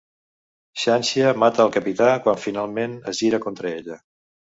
Xanxia mata al Capità quan finalment es gira contra ella.